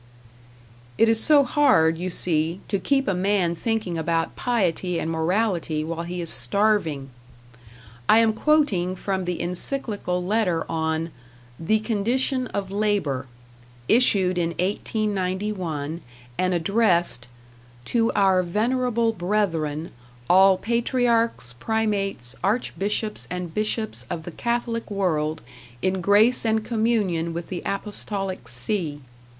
It is so hard, you see, to keep a man thinking about piety and morality while he is starving! I am quoting from the Encyclical Letter on "The Condition of Labor," issued in 1891, and addressed "to our Venerable Brethren, all Patriarchs, Primates, Archbishops and Bishops of the Catholic World in Grace and Communion with the Apostolic See."